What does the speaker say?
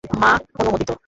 মা অনুমোদিত।